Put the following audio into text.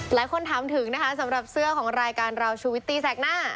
หลายคนถามถึงนะคะสำหรับเสื้อของรายการเราชูวิตตีแสกหน้า